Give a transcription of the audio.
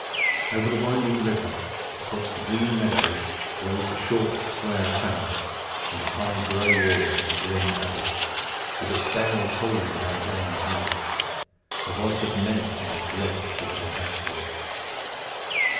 Over the winding river, across the green meadows, rose the short square tower and the high gray walls of the grim Abbey, with its bell tolling by day and night, a voice of menace and of dread to the little household.